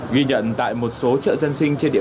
ghi nhận tại một số chợ dân sinh trên địa bàn